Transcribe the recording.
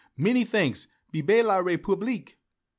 "Many thanks. Vive la République!"